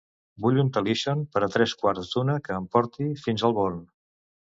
Vull un Talixo per a tres quarts d'una que em porti fins al Born.